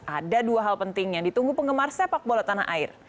ada dua hal penting yang ditunggu penggemar sepak bola tanah air